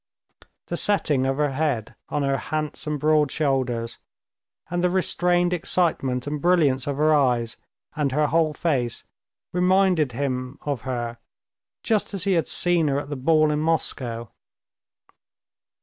The setting of her head on her handsome, broad shoulders, and the restrained excitement and brilliance of her eyes and her whole face reminded him of her just as he had seen her at the ball in Moscow.